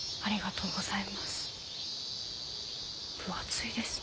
分厚いですね。